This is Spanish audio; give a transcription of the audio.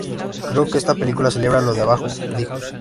Creo que esta película celebra lo de abajo", dijo.